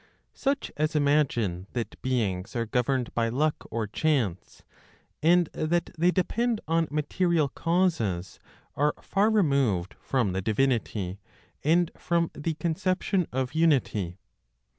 Such as imagine that beings are governed by luck or chance, and that they depend on material causes are far removed from the divinity, and from the conception of unity.